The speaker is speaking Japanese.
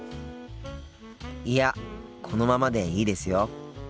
いやこのままでいいですよ。